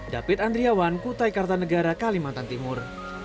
david andriawan kutai kartanegara kalimantan timur